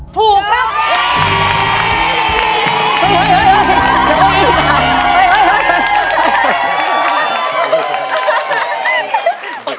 ถูกครับ